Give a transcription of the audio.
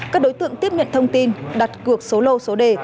các đối tượng tiếp nhận thông tin đặt cược số lô số đề